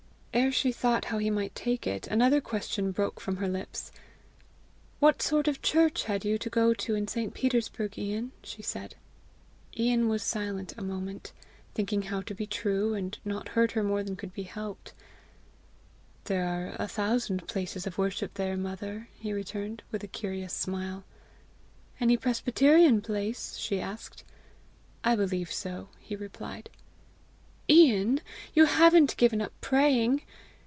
Ere she thought how he might take it, another question broke from her lips. "What sort of church had you to go to in St. Petersburg, Ian?" she said. Ian was silent a moment, thinking how to be true, and not hurt her more than could not be helped. "There are a thousand places of worship there, mother," he returned, with a curious smile. "Any presbyterian place?" she asked. "I believe so," he replied. "Ian, you haven't given up praying?"